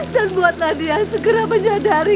dan buatlah dia segera menyadari